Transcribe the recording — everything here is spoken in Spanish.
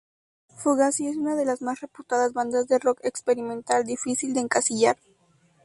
Fugazi es una de las más reputadas bandas de rock experimental, difícil de encasillar.